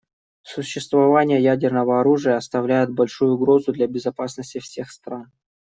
Существование ядерного оружия составляет большую угрозу для безопасности всех стран.